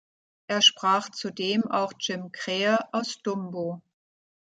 Er sprach zudem auch Jim Krähe aus "Dumbo".